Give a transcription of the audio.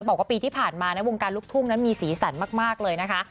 บอกว่าปีที่ผ่านมานะวงการลูกทุ่งนั้นมีสีสันมากเลยนะคะ